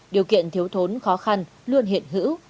điều kiện thiếu thốn khó khăn luôn hiện hữu